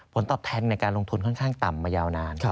ผลตอบแทนในการลงทุนค่อนข้างต่ำมายาวนาน